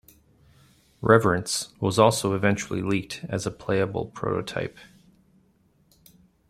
"Reverence" was also eventually leaked as a playable prototype.